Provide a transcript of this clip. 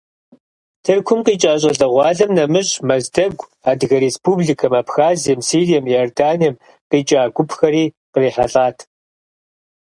Тыркум къикӏа щӏалэгъуалэм нэмыщӏ Мэздэгу, Адыгэ республикэм, Абхазием, Сирием, Иорданием къикӏа гупхэри кърихьэлӏат.